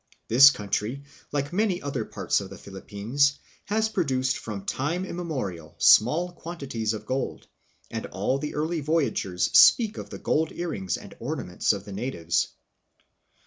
This region, like many other parts of the Philippines, has produced from time immemorial small quantities of gold, and all the early voyagers speak of the gold earrings and ornaments of the natives.